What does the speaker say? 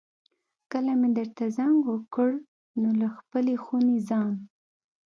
کله مې درته زنګ وکړ نو له خپلې خونې ځان.